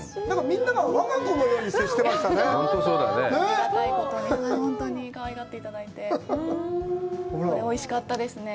みんなが我が子のように接してましたね。